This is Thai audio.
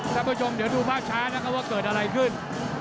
ท่านผู้ชมเดี๋ยวดูภาพช้านะครับว่าเกิดอะไรขึ้น